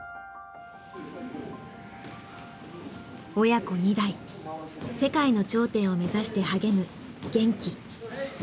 親子２代世界の頂点を目指して励む玄暉。